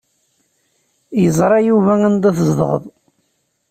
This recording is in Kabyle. Iẓra Yuba anda tzedɣeḍ.